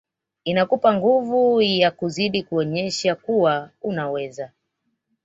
Inakupa nguvu ya kuzidi kuonyesha kuwa unaweza